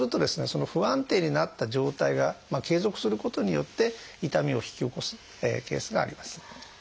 その不安定になった状態が継続することによって痛みを引き起こすケースがあります。